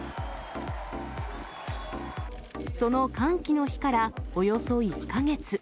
その歓喜の日からおよそ１か月。